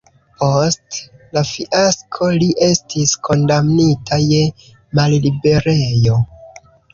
Post la fiasko li estis kondamnita je malliberejo.